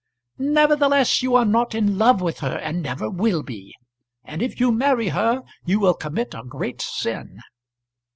"Nevertheless you are not in love with her, and never will be, and if you marry her you will commit a great sin."